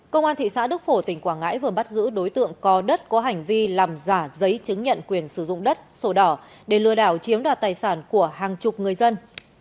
công an thị xã đức phổ tỉnh quảng ngãi vừa bắt giữ đối tượng có đất có hành vi làm giả giấy chứng nhận quyền sử dụng đất sổ đỏ để lừa đảo chiếm đoạt tài sản của hàng chục người dân